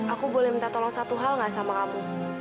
aku boleh minta tolong satu hal gak sama kamu